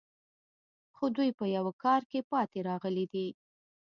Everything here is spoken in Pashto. خو دوی په یوه کار کې پاتې راغلي دي